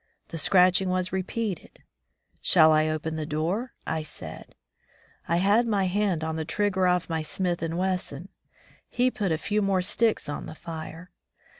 The scratching was re peated. " Shall I open the door ?" I said. I had my hand on the trigger of my Smith and Wesson. He put more sticks on the fire.